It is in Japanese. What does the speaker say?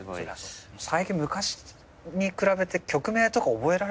最近昔に比べて曲名とか覚えられなく。